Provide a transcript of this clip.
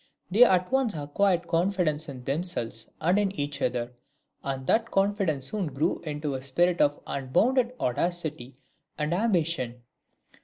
They at once acquired confidence in themselves and in each other; and that confidence soon grew into a spirit of unbounded audacity and ambition.